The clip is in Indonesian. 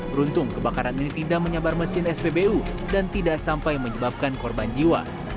beruntung kebakaran ini tidak menyabar mesin spbu dan tidak sampai menyebabkan korban jiwa